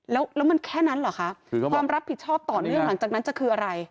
แล้วมันแค่นั้นเหรอคะความรับผิดชอบต่อเนื่องหลังจากนั้นจะคืออะไร